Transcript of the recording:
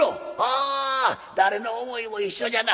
あ誰の思いも一緒じゃな。